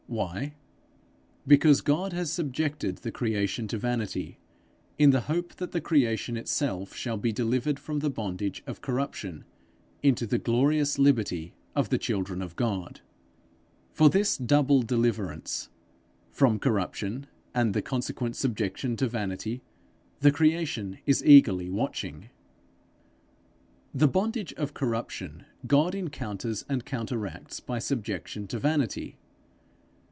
Why? Because God has subjected the creation to vanity, in the hope that the creation itself shall be delivered from the bondage of corruption into the glorious liberty of the children of God. For this double deliverance from corruption and the consequent subjection to vanity, the creation is eagerly watching. The bondage of corruption God encounters and counteracts by subjection to vanity.